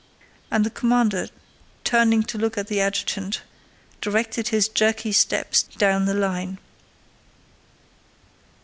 And the commander, turning to look at the adjutant, directed his jerky steps down the line.